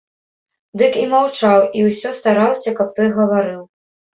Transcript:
Дык і маўчаў і ўсё стараўся, каб той гаварыў.